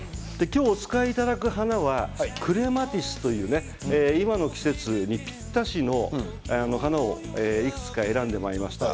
きょうお使いいただく花はクレマチスといって今の季節にぴったりの花をいくつか選んでまいりました。